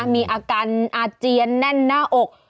มีอาการอาเจียนแน่นหน้าอก